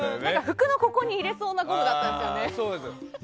服のここに入れそうなゴムだったんですよね。